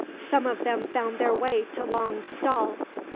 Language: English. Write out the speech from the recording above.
Some of them found their way to Long's stall.